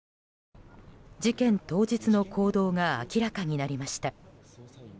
事件当日の行動が明らかになりました。